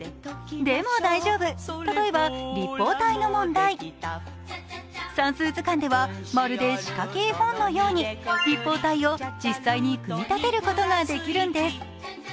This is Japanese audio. でも大丈夫、たとえば立方体の問題「算数図鑑」ではまるで仕掛け絵本のように立方体を実際に組み立てることができるんです。